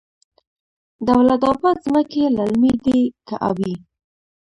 دولت اباد ځمکې للمي دي که ابي؟